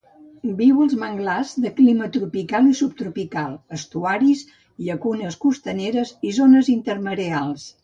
Viu als manglars de clima tropical i subtropical, estuaris, llacunes costaneres i zones intermareals.